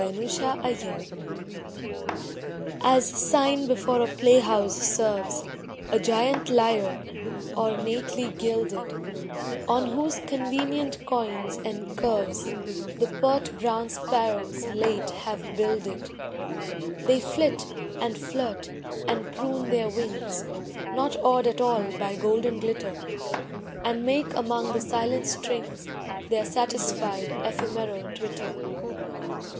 A NEST IN A LYRE As sign before a playhouse serves A giant Lyre, ornately gilded, On whose convenient coignes and curves The pert brown sparrows late have builded. They flit, and flirt, and prune their wings, Not awed at all by golden glitter, And make among the silent strings Their satisfied ephemeral twitter.